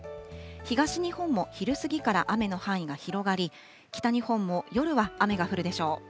東日本も昼過ぎから雨の範囲が広がり、北日本も夜は雨が降るでしょう。